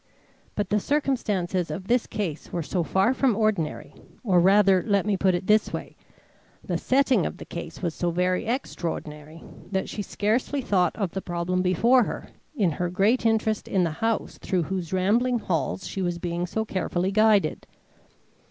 But the circumstances of this case were so far from ordinary, or rather let me put it in this way, the setting of the case was so very extraordinary, that she scarcely thought of the problem before her, in her great interest in the house through whose rambling halls she was being so carefully guided.